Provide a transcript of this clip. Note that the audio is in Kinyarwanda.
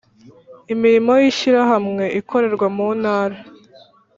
Imirimo y ishyirahamwe ikorerwa mu ntara